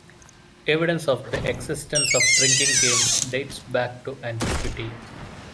Evidence of the existence of drinking games dates back to antiquity.